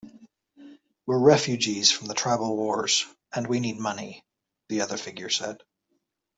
"We're refugees from the tribal wars, and we need money," the other figure said.